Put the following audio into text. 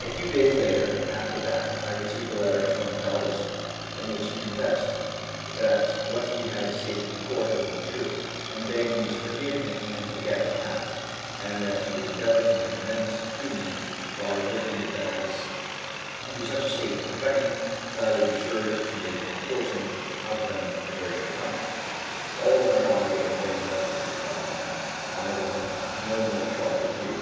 A few days after that I received a letter from Baldiston, in which he confessed that what he had stated in Court, was untrue, and begged me to forgive him and forget the past, and that he would endeavor to make amends to me by working the baths into such a state of perfection that I would be sure to make my fortune out of them in a very short time. "All my eye and Betty Martin," thought I, "I will have no more truck with you."